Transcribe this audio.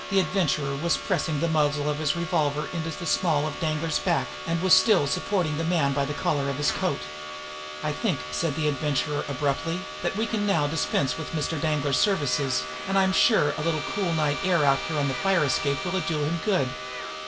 The Adventurer was pressing the muzzle of his revolver into the small of Danglar's back, and was still supporting the man by the collar of his coat. "I think," said the Adventurer abruptly, "that we can now dispense with Mr. Danglar's services, and I am sure a little cool night air out here on the fire escape will do him good.